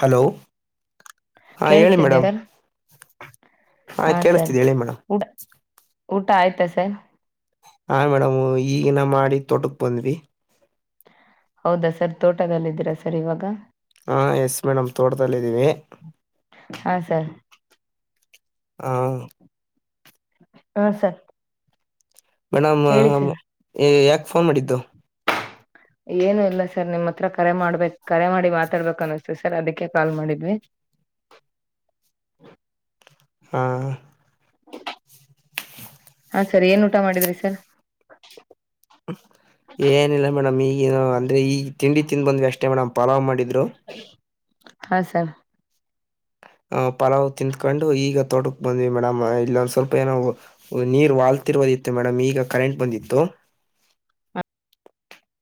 Hello, ಹಾಂ ಹೇಳಿ madam ಕೇಳಿಸ್ತಿದ್ದೀರಾ ಹಾಂ ಹಾ, ಸರ್ ಕೇಳಿಸ್ತಿದೆ ಹೇಳಿ ಮೇಡಮ್ ಊಟ -ಊಟ ಆಯ್ತಾ ಸರ್ ಹಾ, ಮೇಡಮ್ ಈಗಿನ ಮಾಡಿ ತೋಟಕ್ ಬಂದ್ವಿ. ಹೌದಾ! ಸರ್ ತೋಟದಲ್ಲಿ ಇದ್ದೀರಾ ಸರ್ ಇವಾಗ. ಹಾ, ಎಸ್ ಮೇಡಮ್ ತೋಟದಲ್ಲಿದ್ದೀವಿ. ಹಾ, ಸರ್ ಹಾ, ಹ್ಮ ಸರ್. ನಮ್ಮ ಹೇಳಿ ಸರ್ ಎ ಯಾಕ ಫೋನ್ ಮಾಡಿದ್ದು [inaudible] ಏನು ಇಲ್ಲ ಸರ್ ನಿಮ್ಮ ಹತ್ರ ಕರೆ ಮಾಡ್ಬೇಕ ಕರೆ ಮಾಡಿ ಮಾತಾಡ್ಬೇಕ ಅನ್ನಿಸ್ತು ಸರ್ ಅದಕ್ಕೆ ಕಾಲ್ ಮಾಡಿದ್ವಿ. ಹಾ ಹಾ ಸರಿ ಏನ್ ಊಟ ಮಾಡಿದ್ರಿ ಸರ್. [inaudible] ಏನಿಲ್ಲ ಮೇಡಮ್ ಈಗನು ಅಂದ್ರ ಈಗ ತಿಂಡಿ ತಿಂದ ಬಂದು ಅಷ್ಟೇ ಮೇಡಮ್ ಪಲಾವ್ ಮಾಡಿದ್ರು. ಹಾ ಸರ್. ಅಹ ಪಲಾವ್ ತಿಂದ ತ್ಕೊಂಡು ಈಗ ತೋಟಕ ಬಂದ್ವಿ ಮೇಡಮ್ ಇಲ್ಲೊಂದ ಸ್ವಲ್ಪ ಏನೋ ನೀರ್ ವಾಲ್ತಿರೋದಿತ್ತು ಮೇಡಮ್ ಈಗ ಕರೆಂಟ್ ಬಂದಿತ್ತು.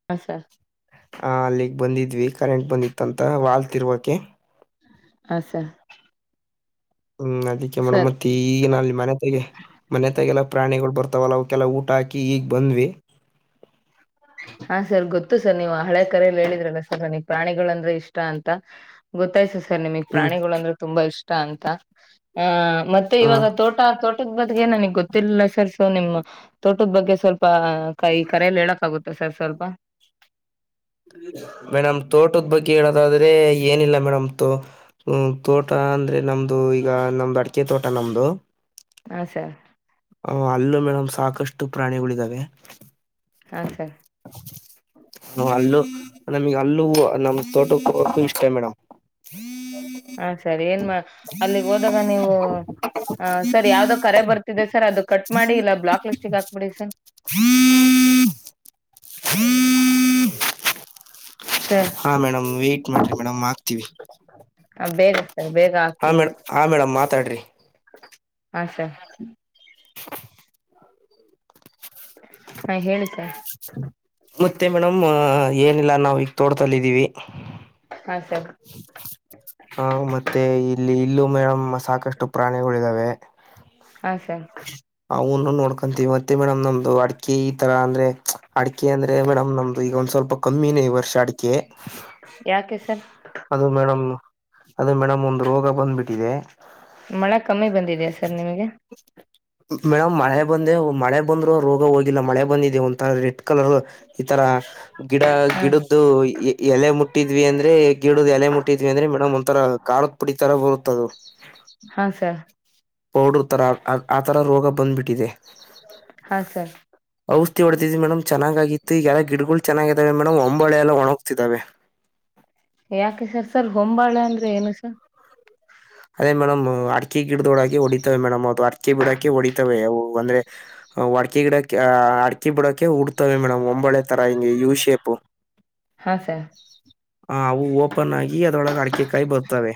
ಹಾ ಸರ್. ಹ ಅಲ್ಲಿಗ ಬಂದಿದ್ವಿ ಕರೆಂಟ್ ಬಂದಿತ್ತ ಅಂತ ವಾಲ್ ತಿರ್ವಕೆ. ಹಾ ಸರ್. ಹ್ಮ್ ಅದಕ್ಕೆ ಮೇಡಂ ಸರ್ ಈಗಿನ ಅಲ್ಲಿ ಮನೆ ತಾಗೆ ಮನೆ ತಗೆಲ್ಲ ಪ್ರಾಣಿಗಳ ಬರ್ತಾವಲ್ಲ ಅವಕ್ಕೆಲ್ಲ ಊಟ ಹಾಕಿ ಈಗ ಬಂದ್ವಿ. ಹಾ ಸರ್ ಗೊತ್ತು ಸರ್ ನೀವು ಹಳೆ ಕರೆಯಲ್ಲಿ ಹೇಳಿದ್ರಲ್ಲ ಸರ್ ನನಗ ಪ್ರಾಣಿಗಳಂದ್ರೆ ಇಷ್ಟ ಅಂತ. ಗೊತ್ತಾಯ್ಸು ಸರ್ ನಿಮಗ ಹ್ಮ್ ಪ್ರಾಣಿಗಳು ಅಂದ್ರೆ ತುಂಬಾ ಇಷ್ಟ ಅಂತ ಆ ಮತ್ತೆ ಹ ಇವಾಗ ತೊ ತೋಟ ತೋಟದ ಬದಗೆ ನನಗ ಗೊತ್ತಿಲ್ಲ ಸೊ ನಿಮ್ಮ ತೋಟದ ಬಗ್ಗೆ ಸ್ವಲ್ಪ ಪ ಕೈ ಕರೆಯಲ್ಲಿ ಹೇಳಕ ಆಗುತ್ತ ಸರ್ ಸ್ವಲ್ಪ ಮೇಡಮ್ ತೋಟದ ಬಗ್ಗೆ ಹೇಳೋದಾದ್ರೆ ಏನಿಲ್ಲ ಮೇಡಮ್ ತೊ ಹ್ಮ್ ತೋಟ ಅಂದ್ರೆ ನಮ್ದು ಈಗ ನಮ್ದು ಅಡಿಕೆ ತೋಟ ನಮ್ದು ಹಾ ಸರ್. ಅ ಅಲ್ಲೂ ಮೇಡಮ್ ಸಾಕಷ್ಟು ಪ್ರಾಣಿಗಳಿದಾವೆ. ಹಾಂ ಸರ್. ನಾವ್ ಅಲ್ಲೂ ನಮಗ ಅಲ್ಲೂ ನಮ್ ತೋಟಕ್ಕ ಹಕ್ಕೂ ಇಷ್ಟೇ ಮೇಡಮ್. [inaudible] ಹ ಸರ ಏನ್ ಅಲ್ಲಿಗ ಹೋದಾಗ ನೀವು ಆ ಸರ ಯಾವ್ದೋ ಕರೆ ಬರ್ತ ಇದೆ ಸರ್ ಅದು ಕಟ್ ಮಾಡಿ ಇಲ್ಲ ಬ್ಲಾಕ್ ಲಿಸ್ಟಗ ಹಾಕ್ಬಿಡಿ ಸರ್. [inaudible] [inaudible] ಸರ್ ಹಾ ಮೇಡಮ್ ವೇಟ್ ಮಾಡಿ ಮೇಡಮ ಆಕ್ತೀವಿ ಬೇಗ ಸರ್ ಬೇಗ ಹಾ ಹಾಕಿ ಮೇಡಮ್. ಹಾಂ ಮೇಡಮ್ ಮಾತಾಡ್ರರಿ. ಹಾಂ ಸರ್. ಹಾ ಹೇಳಿ ಸರ್. ಮತ್ತೆ ಮೇಡಮ್ ಏನಿಲ್ಲ ನಾವ ಈಗ ತೋಡ್ತಲ್ಲಿದ್ದೀವಿ. ಹಾ ಸರ. ಹ ಮತ್ತ ಇಲ್ಲಿ ಇಲ್ಲೂ ಮೇಡಮ್ಮ ಸಾಕಷ್ಟು ಪ್ರಾಣಿಗಳಿದಾವೆ. ಹಾ ಸರ್. ಅವನ ನೋಡ್ಕೊಂತೀವಿ ಮತ್ತೆ ಮೇಡಮ್ ನಮ್ದು ಅಡಿಕಿ ತರ ಅಂದ್ರೆ ಅಡಿಕೆ ಅಂದ್ರೆ ಮೇಡಮ್ ನಮ್ದ ಈಗ ಒಂದ ಸ್ವಲ್ಪ ಕಮ್ಮಿನೇ ಈ ವರ್ಷ ಅಡಿಕಿ. ಯಾಕೆ ಸರ್. ಅದು ಮೇಡಮ್ ಅದೆ ಮೇಡಮ್ ಒಂದು ರೋಗ ಬಂದ್ಬಿಟ್ಟಿದೆ. ಮಳೆ ಕಮ್ಮಿ ಬಂದಿದೆ ಸರ್ ನಿಮಗೆ ಮೇಡಮ್ ಮಳೆ ಬಂದೆ ಮಳೆ ಬಂದ್ರು ರೋಗ ಹೋಗಿಲ್ಲ ಮಳೆ ಬಂದಿದೆೇ ಒಂತ ರೇಟ್ ಕಲರ್ ಈ ತರ ಗಿಡ ಹ ಗಿಡಕ್ಕ ಇದು ಎಲೆ ಮುಟ್ಟಿದ್ವಿ ಅಂದ್ರೆ ಗಿಡದ ಎಲೆ ಮುಟ್ಟಿದ್ವಿ ಅಂದ್ರೆ ಮೇಡಮ್ ಒಂಥರ ಕಾರದ ಪುಡಿತರ ಬರುತ್ತ [inaudible] ಹಾ ಸರ್ ಪೌಡರ್ ತರ ಆತರ ರೋಗ ಬಂದ್ಬಿಟ್ಟಿದೆ ಹಾ ಸರ್ ಔಷಧಿ ಹೊಡೆದಿದವಿ ಮೇಡಮ್ ಚೆನ್ನಾಗಿತ್ತು ಎಲ್ಲ ಗಿಡಗಳು ಚೆನ್ನಾಗಆಗಿದ್ದವ ಮೇಡ್ಮ ಹೊಂಬಾಳೆ ಎಲ್ಲ ಒಣಗಗ್ತಿದಾವೆ ಯಾಕೆ ಸರ್ ಸರ್ ಹೊಂಬಾಳೆ ಅಂದ್ರೆ ಏನು ಸರ್ ಅದೇ ಮೇಡಮ್ ಅಡಕೆ ಗಿಡದೋಡಕೆ ಹೊಡಿತವೆ ಮೇಡಮ್ ಅದು ಅಡಕೆ ಬಿಡಾಕೆ ಹೊಡಿತವೆ ಅವು ಅಂದ್ರೆ ಅವು ಅಡಿಕೆಗಿಡಕ್ಯಾ ಅಕ್ಕಿ ಬಿಡೋಕೆ ಉಡ್ತವೆ ಮೇಡಮ್ ಹೊಂಬಾಳೆ ತರ ಹಂಗೆ ಯು ಶೇಪು ಹಾ ಸರ್ [inaudible] ಹ ಅವು ಓಪನ್ ಆಗಿ ಅದ್ರೊಳಗೆ ಅಡಕೆಕಾಯಿ ಬರ್ತವೆ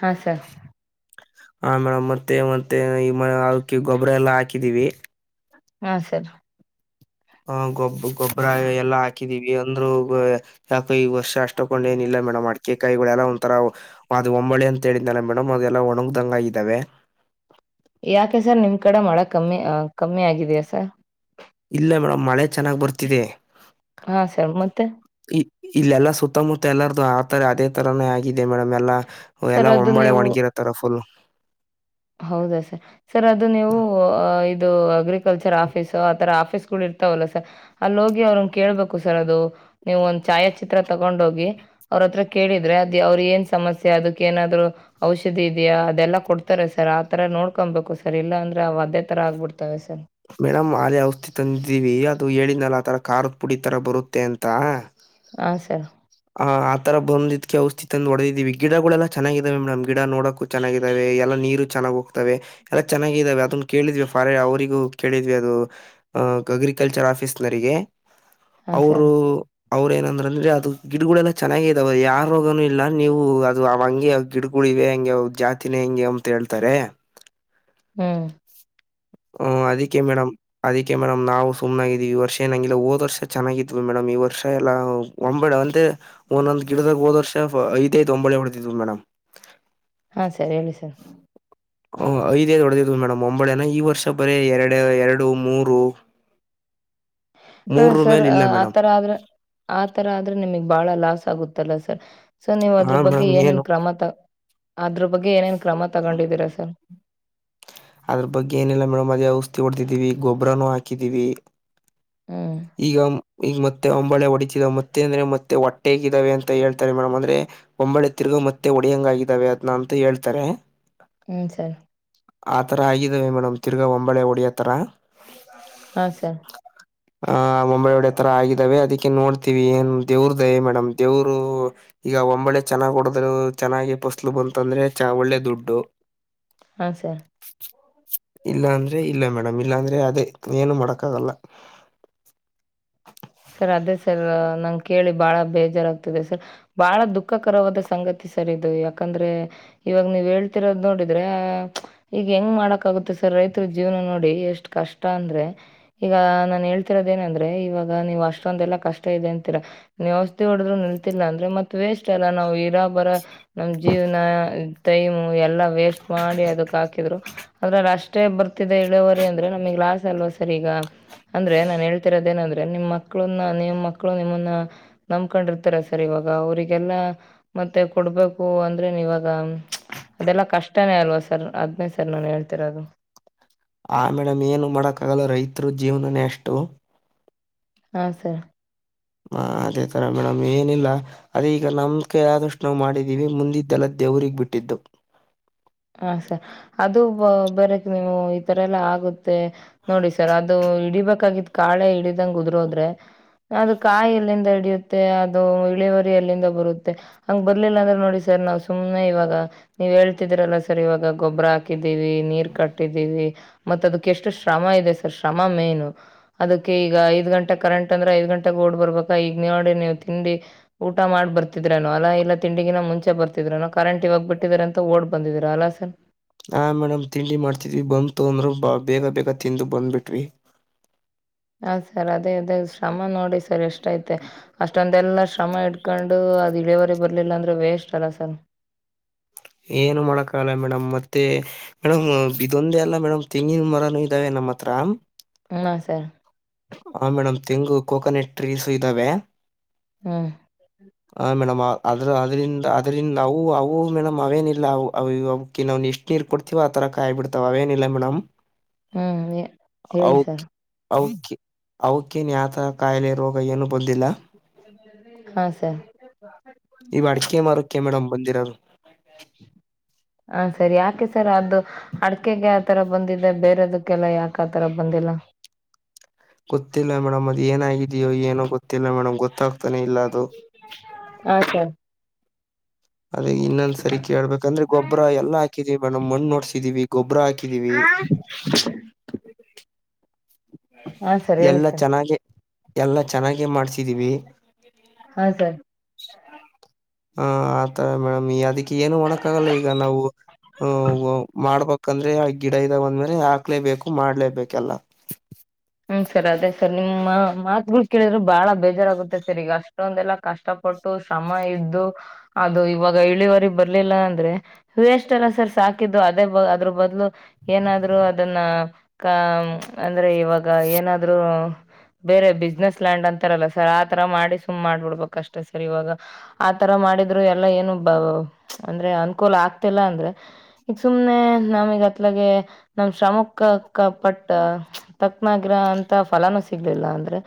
ಹಾ ಸರ್ ಹಾ ಮೇಡಮ್ ಮತ್ತೆ ಮತ್ತೆ ಈಗ ಅದಕ್ಕೆ ಗೊಬ್ಬರ ಎಲ್ಲಾ ಹಾಕಿದೀವಿ ಹಾ ಸರಿ ಹ ಗೊಬ್ಬ ಗೊಬ್ಬರ ಎಲ್ಲಾ ಹಾಕಿದೀವಿ ಅಂದ್ರು ಯಾಕ ಈ ವರ್ಷ ಅಷ್ಟ ಹಂಗೇನ್ ಏನ್ ಇಲ್ಲಾ ಮೇಡಮ್ ಮಾಡತಿ ಅಡಿಕೆ ಕಾಯಿಗಳಲ್ಲ ಒಂಥರ ಅದು ಹೊಂಬಾಳೆ ಅಂತ ಹೇಳಿದ್ನಲ್ಲ ಮೇಡಮ್ ಅದೆಲ್ಲ ಒಣದಂಗ ಆಗಿದ್ದಾವೆ ಯಾಕೆ ಸರ್ ನಿಮ್ ಕಡೆ ಮಳೆ ಕಮ್ಮಿ ಕಮ್ಮಿ ಆಗಿದೆಯಾ ಸರ್ ಇಲ್ಲ ಮೇಡಮ್ ಮಳೆ ಚೆನ್ನಾಗಿ ಬರ್ತಿದೆ. ಹಾ ಸರ್ ಮತ್ತೆ ಈ ಇಲ್ಲೆಲ್ಲಾ ಸುತ್ತಮುತ್ತ ಎಲ್ಲಾರ್ದು ಆತರ ಅದೇ ತರಾನೇ ಆಗಿದೆ ಮೇಡಮ್ ಎಲ್ಲಾ ಸರ್ ಎಲ್ಲ ಅದು ಹೊಂಬಾಳೆ ನೀವು ಒಣಗಿರತ್ತಾರ ಫುಲ್ ಹೌದಾ ಸರ್ ಸರ್ ಅದು ನೀವು ಇದು ಅಗ್ರಿಕಲ್ಚರ್ ಆಫೀಸು ಆತರ ಆಫೀಸ್ಗಳು ಇರ್ [unintelligible] ತವಲ್ಲ ಸರ್ ಅಲ್ಲಿ ಹೋಗಿ ಅವ್ರನ್ ಕೇಳ್ಬೇಕು ಸರ್ ಅದು ನೀವು ಒಂದ್ ಛಾಯಾಚಿತ್ರ ತಗೊಂಡ ಹೋಗಿ ಅವ್ರತ್ರ ಕೇಳಿದ್ರೆ ಅದ ಅವ್ರ ಏನ್ ಸಮಸ್ಯೆ ಅದಕ್ಕೆ ಏನಾದ್ರು ಔಷಧಿ ಇದೆಯಾ ಅದೆಲ್ಲಾ ಕೊಡ್ತ ಇರ್ತಾರೆ ಸರ್ ಆತರ ನೋಡ್ಕೊಬೇಕು ಸರ್ ಇಲ್ಲಾಂದ್ರೆ ಅದೇ ತರ ಆಗ್ಬಿಡ್ತಾವವೆ ಸರ್ ಮೇಡಮ್ ಆದೇ ಔಷಧಿ ತಂದಿದ್ದೀವಿ ಅದು ಹೇಳಿದಲ್ಲ ಆತರ ಕಾರದಪುಡಿ ತರ ಬರುತ್ತೆ ಅಂತಾ ಹಾ ಸರ್ ಆ ಆ ತರ ಬಂದ್ಕ್ಕೆೆ ಔಷಧಿ ಅಂದ ಹೊಡೆದಿವಿ ಗಿಡಗಳೆಲ್ಲ ಚೆನ್ನಾಗಿದಾವೆ ಮೇಡಮ್ ಗಿಡ ನೋಡಕ್ ಚೆನ್ನಾಗಿದ್ದಾವೆ ಎಲ್ಲ ನೀರು ಚೆನ್ನಾಗಿ ಹೋಗ್ತವೆ ಎಲ್ಲ ಚೆನ್ನಾಗಿದಾವೆ ಅದನ್ನ ಕೇಳಿದ್ವಿ ಫಾರೆ ಅವರಿಗೂ ಕೇಳಿದ್ವಿ ಅದು ಅ... ಅಗ್ರಿಕಲ್ಚರ್ ಆಫೀಸ್ನರಿಗೆ ಹಾಂ ಸರ್. ಅವರು ಅವ್ರ ಏನಂದ್ರ ಅಂದ್ರೆ ಅದು ಗಿಡಗಳೆಲ್ಲ ಚೆನ್ನಾಗ ಇದಾವ ಯಾರ ರೋಗನು ಇಲ್ಲ ನೀವು ಅದು ಅವ ಹಂಗೆ ಗಿಡಗಳು ಇವೆ ಹೆಂಗೆ ಜಾತಿನೇ ಹೆಂಗೆ ಅಂತ ಹೇಳ್ತಾರೆ ಹ್ಮ ಹು ಅದಕ್ಕೆೇ ಮೇಡಮ್ ಅದಕ್ಕೆ ಮೇಡಮ್ ನಾವು ಸುಮ್ಮನ ಆಗಿದ್ದಿವಿ ಈ ವರ್ಷ ಏನಂಗಿಲ್ಲ ಹೋದ್ ವರ್ಷ ಚೆನ್ನಾಗಿದ್ವಿ ಮೇಡಮ್ ಈ ವರ್ಷ ಎಲ್ಲಾ ಹೊಂಬಾಳೆ ಅಂತೆ ಒಂದೊಂದ್ ಗಿಡದಾಗ ಹೋದ ವರ್ಷ ಐದ ಐದ ಹೊಂಬಾಳೆ ಹೊಡೆತಿದ್ವಿ ಮೇಡಮ್ ಹಾ ಸರ್ ಹೇಳಿ ಸರ್ ಹ ಐದ ಐದ ಮೇಡಮ್ ಹೊಂಬಾಳೆ ನ ಈ ವರ್ಷ ಬರೀ ಎರಡು ಎರಡು ಮೂರು ಹಾ ಮೂರರ ಸರ್ ಮೇಲೆ ಇಲ್ಲ ಮೇಡಮ್ ಆತರ ಆದ್ರ ಆತರ ಆದ್ರೆ ನಿಮಗ್ ಬಾಳ ಲಾಸ್ ಆಗುತ್ತಲ್ಲ ಸರ್ ಸರ್ ನೀವು ಹಾ ಅದ್ರ ಬಗ್ಗೆ ಮೇಡಮ್ ಏನು ಏನೇನ್ ಕ್ರಮ ತ ಅದ್ರ ಬಗ್ಗೆ ಏನೇನ್ ಕ್ರಮ ತಗೊಂಡಿದ್ದೀರಾ ಸರ್ ಅದ್ರ ಬಗ್ಗೆ ಏನಿಲ್ಲ ಮೇಡಮ ಅದೆ ಔಷಧಿ ಹೊಡಿದೀವಿ ಗೊಬ್ಬರನು ಹಾಕಿದೀವಿ [inaudible] ಈಗ ಈಗ ಮತ್ತೆ ಹೊಂಬಾಳೆ ಹೊಡಿತಿದಾವೆ ಮತ್ತೆ ಅಂದ್ರೆ ಮತ್ತೆ ಹೊಟ್ಟೆಗಿದ್ದಾವೆ ಅಂತ ಹೇಳ್ತಾರೆ ಮೇಡಮ್ ಅಂದ್ರೆ ಹೊಂಬಾಳೆ ತಿರುಗು ಮತ್ತೆ ಒಡಿಯಂಗ ಆಗಿದ್ದಾವೆ ಅದ್ನ ಅಂತ ಹೇಳ್ತಾರೆ ಹ್ಮ್ ಸರ್ ಆ ಥರ ಆಗಿದ್ದಾವೆ ಮೇಡಮ್ ತಿರ್ಗಾ ಒಂಬಳೆ ಹೊಡೆಯೋ ಥರ. ಹಾ ಸರ್. ಆ ಮುಂಬೆ ಒಡೆ ತರ ಆಗಿದ್ದಾವೆ ಅದಕ್ಕೆನ ನೋಡ್ತಿವಿ ಏನ್ ದೇವ್ರ ದಯೆ ಮೇಡಮ್ ದೇವರು. ಈಗ ಒಂಬಳೆ ಚೆನ್ನಾಗ ಹೊಡದ್ರು ಚೆನ್ನಾಗಿ ಫಸ್ಲು ಬಂತ ಅಂದ್ರೆ ಒಳ್ಳೆ ದುಡ್ಡು. ಹಾಂ ಸರ್. ಇಲ್ಲ ಅಂದ್ರೆ ಇಲ್ಲ ಮೇಡಮ್ ಇಲ್ಲಾ ಅಂದ್ರೆ ಅದೇ ಏನು ಮಾಡಕ್ಕ ಆಗಲ್ಲ. [inaudible] ಸರ್ ಅದೇ ಸರ್ ನಂಗ ಕೇಳಿ ಬಾಳ ಬೇಜಾರಾಗ್ತದೆ ಸರ್. ಬಾಳ ದುಃಖಕರವಾದ ಸಂಗತಿ ಸರ್ ಇದು ಯಾಕಂದ್ರೆ ಇವಾಗ ನೀವ್ ಹೇಳ್ತಿರೋದ ನೋಡಿದ್ರೆ ಈಗ ಹೆಂಗ ಮಾಡಕಾಗುತ್ತೆ ಸರ್ ರೈತರ ಜೀವನ ನೋಡಿ ಎಷ್ಟ್ ಕಷ್ಟ ಅಂದ್ರೆ ಈಗ ನಾನ್ ಹೇಳ್ತಿರೋದ ಏನಂದ್ರೆ ಇವಾಗ ನೀವ ಅಷ್ಟೊಂದೆಲ್ಲಾ ಕಷ್ಟ ಇದೆ ಅಂತೀರಾ. ನೀವ ಔಷಧಿ ಹೊಡದು ನಿಲ್ತಿಲ್ಲ ಅಂದ್ರ ಮತ್ತ ವೇಸ್ಟ್ ಅಲ್ಲಾ ನಾವ್ ಇರಾ ಬರ ನಮ ಜೀವ್ನ ಟೈಮ್ ಎಲ್ಲಾ ವೇಸ್ಟ್ ಮಾಡಿ ಅದಕ ಹಾಕಿದ್ರು ಅದ್ರ ಅಷ್ಟೇ ಬರ್ತಿದೆ ಇಳವರಿ ಅಂದ್ರೆ ನಮಗ ಲಾಸ್ ಅಲ್ವಾ ಸರ್ ಈಗ. ಅಂದ್ರೆ ನಾನ್ ಹೇಳ್ತಿರೋದ ಏನಂದ್ರೆ ನಿಮ್ ಮಕ್ಳುನ್ನ ನಿಮ್ಮ ಮಕ್ಳು ನಿಮ್ಮನ್ನ- ನಮಕೊಂಡಿರ್ತಾರ ಸರ್ ಇವಾಗ ಅವರಿಗೆಲ್ಲ ಮತ್ತೆ ಕೊಡ್ಬೇಕು ಅಂದ್ರನು ಇವಾಗ ಅದೆಲ್ಲಾ ಕಷ್ಟನೇ ಅಲ್ವಾ ಸರ್ ಅದ್ನೇ ಸರ್ ನಾನ ಹೇಳ್ತಿರೋದು. ಆ ಮೇಡಮ್ ಏನು ಮಾಡಕ್ಕ ಆಗಲ್ಲ ರೈತರ ಜೀವನನೇ ಅಷ್ಟು. ಹಾಂ ಸರ್. ಹ ಅದೇ ತರ ಮೇಡಮ್ ಏನಿಲ್ಲ. ಅದೇ ಈಗ ನಮ್ ಕೈ ಆದಷ್ಟ ನಾವ ಮಾಡಿದ್ದೀವಿ ಮುಂದಿದ್ದೆಲ್ಲ ದೇವ್ರಿಗ ಬಿಟ್ಟಿದ್ದು. ಹ ಸರ್ ಅದು ಬ ಬೇರಕ್ ನೀವು ಈ ತರ ಎಲ್ಲ ಆಗುತ್ತೆ. ನೋಡಿ ಸರ್ ಅದು ಹಿಡಿಬೇಕಾದ ಕಾಳೆ ಹಿಡಿದಂಗ ಉದ್ರೋದ್ರೆ ಅದ ಕಾಯಲ್ಲಿಂದ ಹಿಡಿಯುತ್ತೆ ಅದು ಇಳುವರಿಯಲ್ಲಿಂದ ಬರುತ್ತೆ. ಹಂಗ ಬರ್ಲಿಲ್ಲ ಅಂದ್ರೆ ನೋಡಿ ಸರ್ ನಾವ ಸುಮ್ನೆ ಇವಾಗ ನೀವ್ ಹೇಳ್ತಿದ್ರಲ್ಲ ಸ ಸರ್ ಇವಾಗ ಗೊಬ್ಬರ ಹಾಕಿದ್ದೀವಿ ನೀರ್ ಕಟ್ಟಿದ್ದೀವಿ. ಮತ್ತ ಅದಕ್ಕ ಎಷ್ಟು ಶ್ರಮ ಇದೆ ಸರ್ ಶ್ರಮ ಮೇನು. ಅದಕ್ಕ ಈಗ ಐದು ಗಂಟೆ ಕರೆಂಟ್ ಅಂದ್ರ ಐದ ಗಂಟೆಕ ಓಡಿ ಬರ್ಬೇಕಾ ಈಗ ನೋಡಿ ನೀವು ತಿಂಡಿ ಊಟ ಮಾಡ್ ಬರ್ತಿದ್ರೆನು ಅಲ್ಲಾ ಇಲ್ಲಾ ತಿಂಡಿಗಿನ ಮುಂಚೆ ಬರ್ತ ದಿನೊ ಕರೆಂಟ್ ಇವಾಗ ಬಿಟ್ಟಿದ್ದಾರೆ ಅಂತ ಓಡ್ ಬಂದಿದೀರ ಅಲಾ ಸರ್. ಆ ಮೇಡಮ್ ತಿಂಡಿ ಮಾಡ್ತಿದ್ವಿ ಬಂತು ಅಂದ್ರ ಬ ಬೇಗ ಬೇಗ ತಿಂದು ಬಂದ್ಬಿಟ್ವಿ. ಹ ಸರ್ ಅದೇ ಅದೇ ಶ್ರಮ ನೋಡಿ ಸರ್ ಎಷ್ಟ ಐತೆ ಅಷ್ಟೊಂದ ಎಲ್ಲ ಷ ಶ್ರಮ ಇಟ್ಕೊಂಡು ಅದ ಇಳಿವರೆ ಬರ್ಲಿಲ್ಲ ಅಂದ್ರ ವೇಸ್ಟ್ ಅಲ್ಲ ಸರ್. ಏನು ಮಾಡಕಾಗಲ್ಲ ಮೇಡಮ್ ಮತ್ತೆ ಮೇಡ್ ಇದೊಂದೇ ಅಲ್ಲ ಮೇಡಮ್ ತೆಂಗಿನ ಮರನು ಇದಾವೆ ನಮ್ಮ್ ಹತ್ರ. ಹಾ ಸರ್. ಹ ಮೇಡಮ್ ತೆಂಗು ಕೋಕೋನಟ್ ಟ್ರೀಸು ಇದ್ದಾವೆ. ಹ್ಮ. ಹ ಮೇಡಮ್ ಅದ್ರ ಅದ್ರಂದ ಅದರಿಂದ ಅವು ಅವು ಮೇಡಮ್ ಅವೇನ ಇಲ್ಲ ಅವ ಕಿವೊಂ ಇಷ್ಟ. ಕೀರ್ ಕೊಡ್ತಿವ ಆ ತರ ಕಾಯ್ ಬಿಡ್ತಾವ ಅವನಿಲ್ಲ ಮೇಡಮ್. [inaudible] ಹೇಳಿ ಸರ್ ಔಕಿ ಔಕಿ ಔಕಿ ಔಕೇನ ಯಾ ತರ ಕಾಯಲೆ ರೋಗ ಎನು ಬಂದಿಲ್ಲ. ಹಾಂ ಸರ್ ಈವ ಅಡಿಕೆ ಮಾರೋಕ ಮೇಡಮ್ ಬಂದಿರೋರು. ಹ ಸರಿ ಯಾಕೆ ಸರ್ ಅದು. ಅಡ್ಕೆಗೆ ಆ ತರ ಬಂದಿದೆ ಬೇರೆದಕ್ಕೆಲ್ಲ ಯಾಕ ಆತರ ಬಂದಿಲ್ಲ. ಗೊತ್ತಿಲ್ಲ ಮೇಡಮ್ ಅದ್ ಏನಾಗಿದ್ಯೋ ಏನೋ ಗೊತ್ತಿಲ್ಲ ಮೇಡಮ್ ಗೊತ್ತಾಗ. ತ್ತಾನೆ ಇಲ್ಲ ಅದು. ಹಾಂ ಸರ್ ಅದ ಇನ್ನೊಂದ್ ಸರಿ ಕೇಳ್ಬೇಕಂದ್ರೆ ಗೊಬರ ಎಲ್ಲಾ ಹಾಕಿದೀವಿ ಮೇಡಮ್ ಮಣ್ಣ ನೋಡ್ಸಿದೀವಿ ಗೊಬರ ಹಾಕಿ. ಹಾ. ಹಾಂ ಸರ್ ಹೇಳಿ ಎಲ್ಲ ಸರ್ ಚೆನ್ನಾಗೆ ಎಲ್ಲಾ ಚೆನ್ನಾಗೆ ಮಾಡ್ಸಿದೀವಿ. ಹಾ ಸರ್. ಹಾ ಆತರ ಮೇಡಮ್ ಈ ಅದಕ್ಕೆ ಏನು ಮಾಡಕ್ಕ ಆಗಲ್ಲ ಈಗ ನಾವು. ಹ ಹ ಮಾಡ್ಬೇಕಂದ್ರೆ ಆ ಗಿಡ ಇದ್ದಾವ ಅಂದ್ಮೇಲೆ ಹಾಕ್ಲೇಬೇಕು ಮಾಡ್ಲೇಬೇಕ ಎಲ್ಲ. ಹ್ಮ್ ಸರ್ ಅದೇ ಸರ್ ನಿಮ್ ಮಾತ್ಗಳು ಕೇಳಿದ್ರು ಬಾಳ ಬೇಜಾರಾಗುತ್ತೆ ಸರ್ ಈಗ ಅಷ್ಟೊಂದೆಲ್ಲಾ ಕಷ್ಟ ಪಡ್. ಶ್ರಮ ಇದ್ದು ಅದು ಇವಾಗ ಇಳವರೆ ಬರ್ಲಿಲ್ಲ ಅಂದ್ರೆ. ವೆಸ್ಟ್ ಅಲ್ಲಾ ಸರ್ ಸಾಕಿದ್ದು ಅದೇ ಅದ್ರ ಬದಲು. ಏನಾದ್ರರು ಅದನ್ನ ಕ ಅಂದ್ರೆ ಇವಾಗ ಏನಾದ್ರು. ಬೇರೆ ಬಿಸ್ನೆಸ್ ಲ್ಯಾಂಡ್ ಅಂತಾರಲ್ಲ ಸರ್ ಆತರ ಮಾಡಿ ಸುಮ್ ಮಾಡ್ಬಿಡ್ಬಕ್ ಅಷ್ಟ ಸರ್ ಇವಾಗ. ಆತರ ಮಾಡಿದ್ರು ಎಲ್ಲಾ ಏನು ಬ ಅಂದ್ರೆ ಅನುಕೂಲ ಆಗ್ತಿಲ್ಲ ಅಂದ್ರೆ. ಈಗ ಸುಮ್ನೆ ನಮೀಗ ಅತ್ಲಗೆ ನಮ ಶ್ರಮಕ್ಕಕ್ಕ ಪಟ್ಟ. ತಕ್ನಾಗಿರ ಅಂತ ಫಲಾನೂ ಸಿಗ್ಲಿಲ್ಲ ಅಂದ್ರೆ.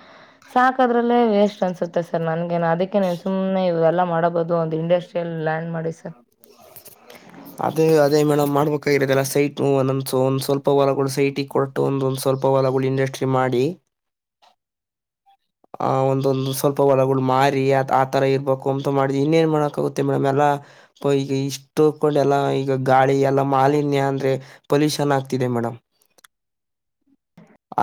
ಸಾಕ ಅದ್ರಲ್ಲೇ ವೇಸ್ಟ್ ಅನ್ಸುತ್ತೆ ಸರ್ ನನ್ಗೇ ಅದಕ್ಕೆ ನೀವು ಸುಮ್ಮನೆ ಇದೆಲ್ಲ ಮಾಡಬಹುದು ಒಂದು ಇಂಡಸ್ಟ್ರಿ. ಲ್ ಲ್ಯಾಂಡ್ ಮಾಡಿ ಸರ್. ಅದೇ ಅದೇ ಮೇಡಮ್ ಮಾಡ್ಬೇಕಾಗಿರತ್ತದಲ್ಲ ಸೈಟ್ ಒಂದೊಂದ ಒಂದ್ ಸ್ವಲ್ಪ ಹೊ ಹೊಲಗಳು ಸೈಟಿಗೆ ಕೊ. ಒಂದೊಂದು ಸ್ವಲ್ಪ ಹೊಲಗಳು ಇಂಡಸ್ಟ್ರಿ ಮಾಡಿ. ಆ ಒಂದೊಂದು ಸ್ವಲ್ಪ ಹೊಳಗಳು ಮಾರಿ ಆ ಥರ ಇರಬೇಕು ಅಂತ ಮಾಡು ಇನ್ನೇನು ಮಾಡೋಕ್ಕಾಗುತ್ತೆ ಮೇಡಮ್ ಎಲ್ಲ. ಪ ಈಗ ಇಷ್ಟು ತಕೊಂಡೆಲ್ಲಾ ಈಗ ಗಾಳಿ ಎಲ್ಲಾ ಮಾಲಿನ್ಯ ಅಂದ್ರೆ. ಪೊಲೀಷನ್ ಆಗ್ತಿದೆ ಮೇಡಮ್.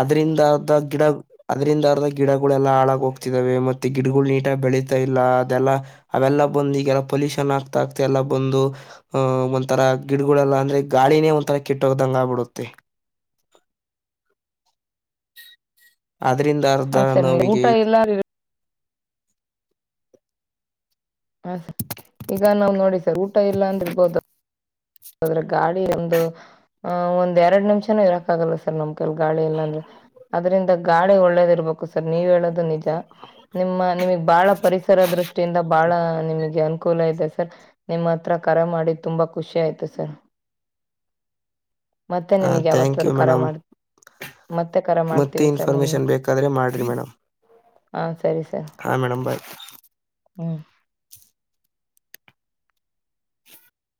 ಅದ್ರಿಂದ ಅದ ಗಿಡ. ಅದ್ರಿಂದ ಅರ್ದ ಗಿಡಗಳೆಲ್ಲಾ ಹಾಳಾಗ ಹೋಗ್ತಿದಾವೆ ಮತ್ತೆ ಗಿಡಗಳು ನೀಟಾಗಿ ಬೆಳೀತಾ ಇಲ್ಲ ಅದೆಲ್ಲ. ಅವೆಲ್ಲ ಬಂದು ಈಗೆಲ್ಲ ಪೊಲ್ಯೂಷನ್ ಆಗ್ತಾ ಆಗ್ತಾ ಎಲ್ಲಾ ಬಂದು. ಅಹ ಒಂಥರ ಗಿಡಗಳೆಲ್ಲ ಅಂದ್ರೆ ಗಾಳಿನೇ ಒಂತರ ಕೆಟ್ಟೋಗ್ದಂಗ ಆಗ್ಬಿಡುತ್ತೆ. ಅದ್ರಿಂದ ಅರ್ಧ ಹಾ ಸರ್ ನೀವು ನಮಗೆ. ಊಟ ಇಲ್ಲ ಹಾ ಸರ್ ಈಗ ನಾವ್ ನೋಡಿ ಸರ್ ಊಟ ಇಲ್ಲ ಅಂದ ಇರ್ಬೋದು. ದ್ರೆ ಗಾಳಿ ಒಂದು ಅಹ ಒಂದ್ ಎರಡ್ ನಿಮಿಷಾನೂ ಇರಕ್ ಆಗಲ್ಲ ಸರ್ ನಮ್ ಕೈಲಿ ಗಾಳಿ ಎಲ್ಲ ಅಂದ್ರೆ. ಅದ್ರಿಂದ ಗಾಳಿ ಒಳ್ಳೇದ ಇರ್ಬೇಕು ಸರ್ ನೀವ್ ಹೇಳದು ನಿಜ ನಿಮ್ಮ ನಿಮಗ್ ಬಾಳ ಪರಿಸ. ಸರ್ ದೃಷ್ಟಿಯಿಂದ ಬಹಳ ನಿಮಗೆ ಅನುಕೂಲ ಇದೆ ಸರ್ ನಿಮ್ಮ ಹತ್ರ ಕರೆ ಮಾಡಿ ತುಂಬಾ ಖುಷಿ ಆಯ್ತು. ಸರ್ ಮತ್ತೆ ನಿಮಗೆ ಥ್ಯಾಂಕ್ ಯಾವತ್ತಾದೂ ಯು ಕರೆ ಮೇಡಮ್ ಮಾಡ. ಮತ್ತೆ ಕರೆ ಮತ್ತೆ ಮಾಡ್ತೀವಿ ಸರ್ ನಿಮ್ಗೆ ಇನ್ಫಾರ್ಮೇಶನ್ ಬೇಕಾದ್ರೆ ಹಾ ಸರಿ ಸರ್. ಹಾ ಮೇಡಮ್ ಬಾಯ್. ಹ್ಮ್.